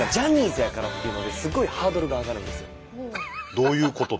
どういうことで？